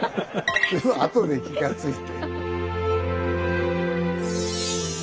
あとで気が付いて。